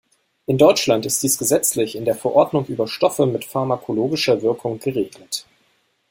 In Deutschland ist dies gesetzlich in der "Verordnung über Stoffe mit pharmakologischer Wirkung" geregelt.